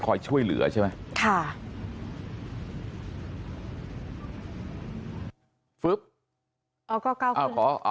คอยช่วยเหลือใช่ไหมค่ะ